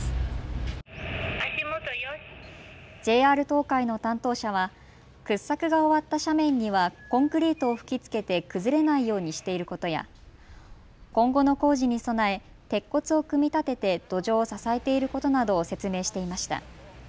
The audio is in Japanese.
ＪＲ東海の担当者は掘削が終わった斜面にはコンクリートを吹き付けて崩れないようにしていることや今後の工事に備え鉄骨を組み立てて土壌を支えていることなどを説明していました。